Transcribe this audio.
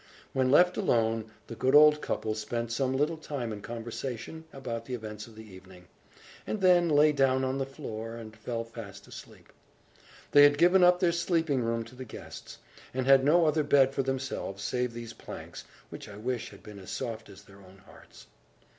When left alone, the good old couple spent some little time in conversation about the events of the evening, and then lay down on the floor, and fell fast asleep. They had given up their sleeping room to the guests, and had no other bed for themselves, save these planks, which I wish had been as soft as their own hearts.